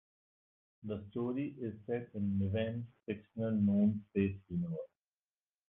The story is set in Niven's fictional "Known Space" universe.